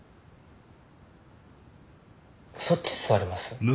そっち座ります？